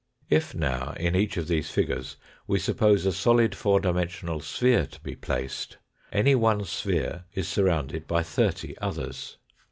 If, now, in each of these figures we suppose a solid four dimensional sphere to be placed, any one sphere is surrounded by thirty others.